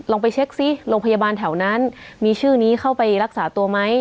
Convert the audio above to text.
ไปเช็คซิโรงพยาบาลแถวนั้นมีชื่อนี้เข้าไปรักษาตัวไหม